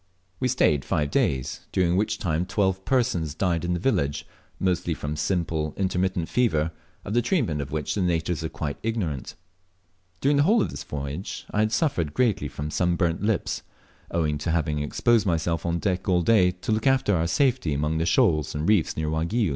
We Staved five days, during which time twelve persons died in the village, mostly from simple intermittent fever, of the treatment of which the natives are quite ignorant. During the whole of this voyage I had suffered greatly from sunburnt lips, owing to having exposed myself on deck all day to loon after our safety among the shoals and reefs near Waigiou.